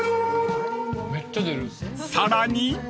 ［さらに］